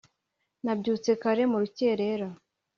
Nabyutse kare mu rukerera